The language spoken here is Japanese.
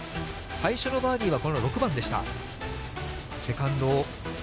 最初のバーディーは、この６番でした。